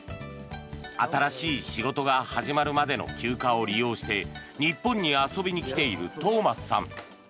新しい仕事が始まるまでの休暇を利用して日本に遊びに来ているトーマスさん。